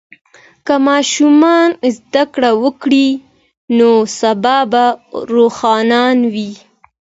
که ماشوم زده کړه وکړي، نو سبا به روښانه وي.